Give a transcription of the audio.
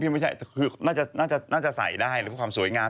ไม่ใช่น่าจะใส่ได้เพราะความสวยงาม